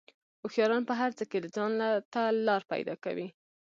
هوښیاران په هر څه کې ځان ته لار پیدا کوي.